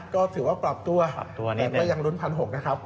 ก็ถือว่าปรับตัวแต่ก็ยังลุ้น๑๖๐๐นะครับ